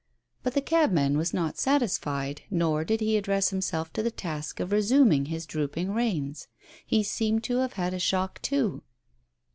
But the cabman was not satisfied, nor did he address himself to the task of resuming his drooping reins. He seemed to have had a shock too.